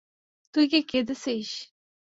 তুই কি কেদেছিস?